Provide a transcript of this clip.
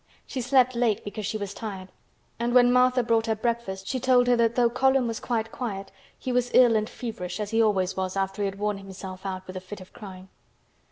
She slept late because she was tired, and when Martha brought her breakfast she told her that though Colin was quite quiet he was ill and feverish as he always was after he had worn himself out with a fit of crying.